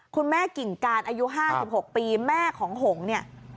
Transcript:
คุณแม่กิ่งการอายุ๕๖ปีแม่ของหงเนี่ย